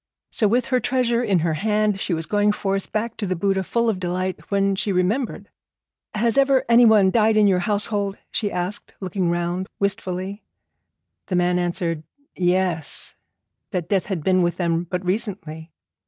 So with her treasure in her hand she was going forth back to the Buddha full of delight, when she remembered. 'Has ever anyone died in your household?' she asked, looking round wistfully. The man answered 'Yes,' that death had been with them but recently.